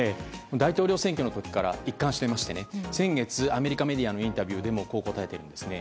大統領選挙の時から一貫していまして先月、アメリカメディアのインタビューでもこう答えているんですね。